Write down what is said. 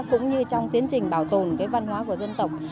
cũng như trong tiến trình bảo tồn cái văn hóa của dân tộc